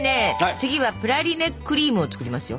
次はプラリネクリームを作りますよ。